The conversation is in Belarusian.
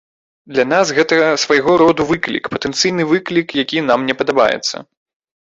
Для нас гэта свайго роду выклік, патэнцыйны выклік, які нам не падабаецца.